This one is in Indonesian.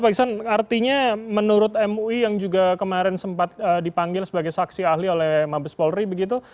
pak iksan artinya menurut mui yang juga kemarin sempat dipanggil sebagai saksi ahli oleh mabes polri begitu